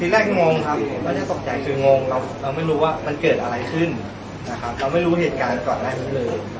สิ่งแรกงงครับแล้วจะตกใจคืองงเราไม่รู้ว่ามันเกิดอะไรขึ้นเราไม่รู้เหตุการณ์ก่อนแรกนึงเลย